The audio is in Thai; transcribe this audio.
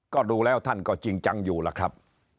ก็ดูแล้วท่านก็จริงจังอยู่ล่ะครับ